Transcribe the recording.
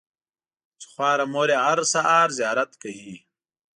چې خواره مور یې هره سهار زیارت کوي.